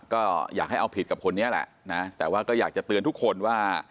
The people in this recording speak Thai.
ก็อยากให้เอาผิดกับคนนี้แหละนะแต่ว่าก็อยากจะเตือนทุกคนว่า